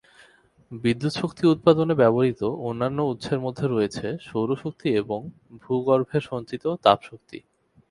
বিদ্যুৎ শক্তি উৎপাদনে ব্যবহৃত অন্যান্য উৎসের মধ্যে রয়েছে সৌর শক্তি এবং ভূ-গর্ভে সঞ্চিত তাপ শক্তি।